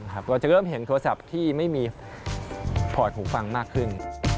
เราจะเริ่มเห็นโทรศัพท์ที่ไม่มีพอร์ตหูฟังมากขึ้น